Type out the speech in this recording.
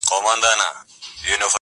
نور نو خپله د څو لسيزو عقده سړوي